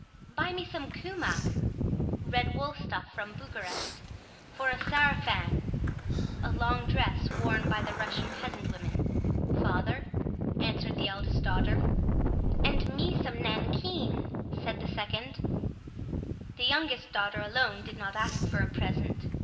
"Buy me some kumach (Red wool stuff from Bucharest) for a sarafan (A long dress worn by the Russian peasant women) father," answered the eldest daughter. "And me some nankeen," said the second. The youngest daughter alone did not ask for a present.